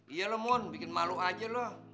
iya lah mon bikin malu aja lo